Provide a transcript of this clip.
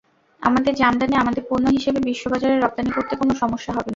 আমাদের জামদানি আমাদের পণ্য হিসেবে বিশ্ববাজারে রপ্তানি করতে কোনো সমস্যা হবে না।